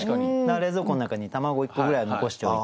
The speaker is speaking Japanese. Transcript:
冷蔵庫の中に卵１個ぐらい残しておいて。